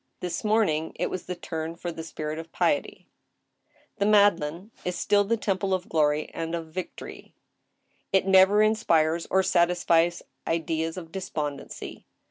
This morning it was the turn for the spirit of piety. THE JUDGMENT OF GOD. 173 The Madeleine is still the Temple of Glory and of Victory. It never inspires or satisfies ideas of despondency.